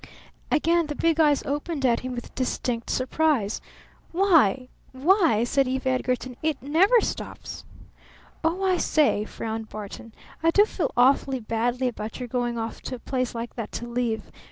Again the big eyes opened at him with distinct surprise. "Why why?" said Eve Edgarton. "It never stops!" "Oh, I say," frowned Barton, "I do feel awfully badly about your going away off to a place like that to live!